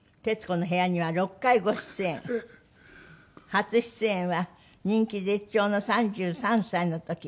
初出演は人気絶頂の３３歳の時。